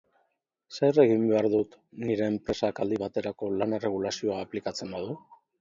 Zer egin behar dut nire enpresak aldi baterako lan-erregulazioa aplikatzen badu?